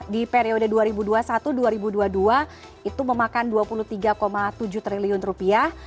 di periode dua ribu dua puluh satu dua ribu dua puluh dua itu memakan dua puluh tiga tujuh triliun rupiah